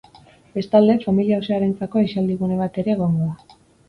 Bestalde, familia osoarentzako aisialdi gune bat ere egongo da.